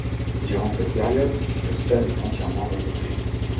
Durant cette période, le stade est entièrement rénové.